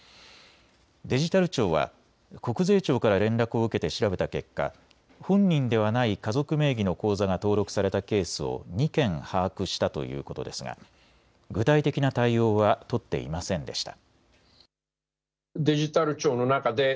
デジタル庁は国税庁から連絡を受けて調べた結果、本人ではない家族名義の口座が登録されたケースを２件把握したということですが具体的な対応は取っていませんでした。